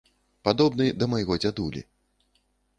Падобны да майго дзядулі.